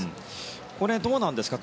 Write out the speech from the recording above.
これはどうなんですか？